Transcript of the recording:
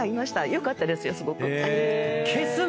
良かったですよすごく。